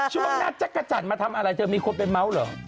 ช่วงนั้นจักรจันมาทำอะไรเจอมีความเป็นเมาส์เหรอ